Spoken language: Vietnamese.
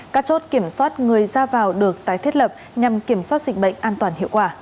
các chốt kiểm soát người ra vào được tái thiết lập nhằm kiểm soát dịch bệnh an toàn hiệu quả